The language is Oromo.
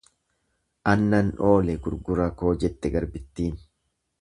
An nan oole gurgura koo jette garbittiin.